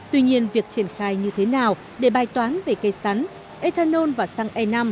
tuy nhiên việc triển khai như thế nào để bài toán về cây sắn ethanol và xăng e năm